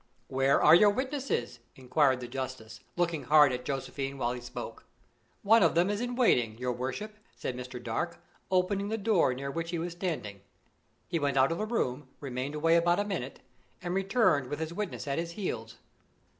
"Where are your witnesses?" inquired the justice, looking hard at Josephine while he spoke. "One of them is in waiting, your worship," said Mr. Dark, opening the door near which he was standing. He went out of the room, remained away about a minute, and returned with his witness at his heels.